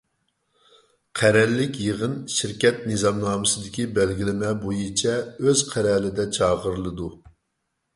قەرەللىك يىغىن شىركەت نىزامنامىسىدىكى بەلگىلىمە بويىچە ئۆز قەرەلىدە چاقىرىلىدۇ.